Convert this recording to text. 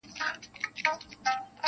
رپول یې له ناکامه وزرونه -